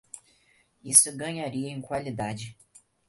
Isso ganharia em qualidade.